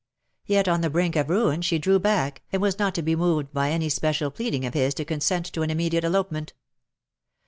Yet on the brink of ruin she drew back, and was not to be moved by any special pleading of his to consent to an immediate elope ment.